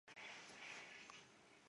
从五位下长岑茂智麻吕的义弟。